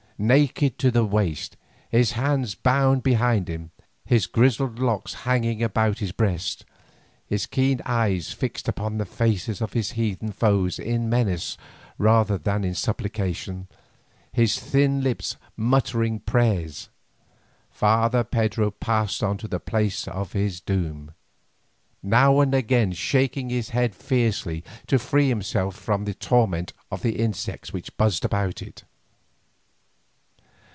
Naked to the waist, his hands bound behind him, his grizzled locks hanging about his breast, his keen eyes fixed upon the faces of his heathen foes in menace rather than in supplication, his thin lips muttering prayers, Father Pedro passed on to the place of his doom, now and again shaking his head fiercely to free himself from the torment of the insects which buzzed about it.